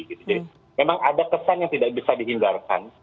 jadi memang ada kesan yang tidak bisa dihindarkan